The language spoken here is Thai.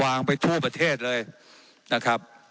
ว่าการกระทรวงบาทไทยนะครับ